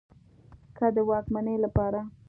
که د واکمنۍ له پاره